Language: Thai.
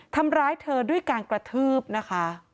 ทำร้ายเธอด้วยการกระทืบนะคะ